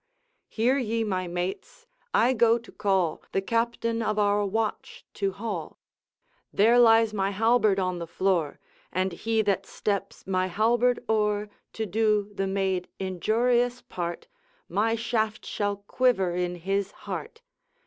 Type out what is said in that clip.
Hear ye, my mates! I go to call The Captain of our watch to hall: There lies my halberd on the floor; And he that steps my halberd o'er, To do the maid injurious part, My shaft shall quiver in his heart!